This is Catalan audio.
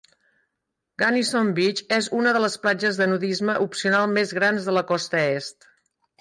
Gunnison Beach és una de les platges de nudisme opcional més grans de la costa est.